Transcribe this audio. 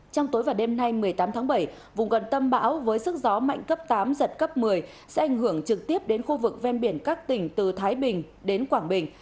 trong tối và đêm nay một mươi tám tháng bảy vùng gần tâm bão với sức gió mạnh cấp tám giật cấp một mươi sẽ ảnh hưởng trực tiếp đến khu vực ven biển các tỉnh từ thái bình đến quảng bình